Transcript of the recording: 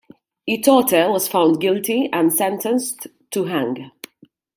Itote was found guilty and sentenced to hang.